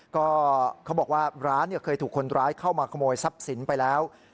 ก็เขาบอกว่าร้านเคยถูกคนร้ายเข้ามาขโมยทรัพย์สินไปแล้ว